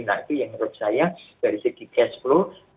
nah itu yang menurut saya dari segi cash flow